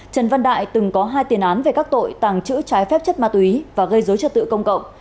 trần văn đại từng có hai tiền án về các tội tàng trữ trái phép chất ma túy và gây dối trật tự công cộng